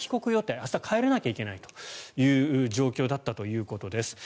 明日、帰らなきゃいけない状況だったということです。